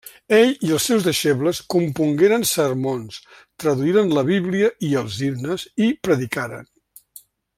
Ell i els seus deixebles compongueren sermons, traduïren la Bíblia i els himnes, i predicaren.